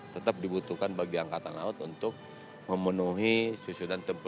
tetap dibutuhkan bagi angkatan laut untuk memenuhi susunan tempur